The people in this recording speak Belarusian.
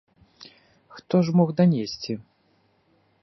Хто ж мог данесці?